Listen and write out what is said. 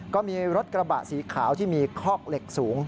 ก็มีรถกระบะสีขาวที่มีคอกเหล็กสูง